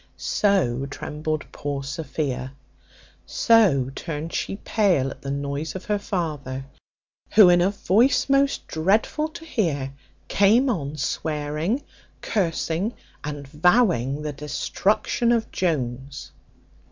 So trembled poor Sophia, so turned she pale at the noise of her father, who, in a voice most dreadful to hear, came on swearing, cursing, and vowing the destruction of Jones.